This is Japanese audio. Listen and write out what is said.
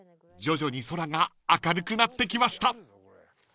［徐々に空が明るくなってきました］